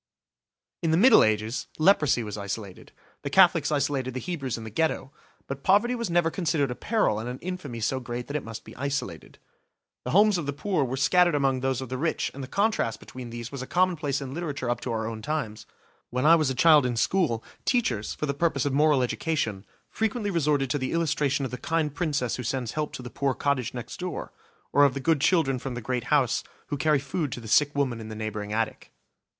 In the Middle Ages, leprosy was isolated: the Catholics isolated the Hebrews in the Ghetto; but poverty was never considered a peril and an infamy so great that it must be isolated. The homes of the poor were scattered among those of the rich and the contrast between these was a commonplace in literature up to our own times. Indeed, when I was a child in school, teachers, for the purpose of moral education, frequently resorted to the illustration of the kind princess who sends help to the poor cottage next door, or of the good children from the great house who carry food to the sick woman in the neighbouring attic.